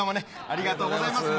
ありがとうございます。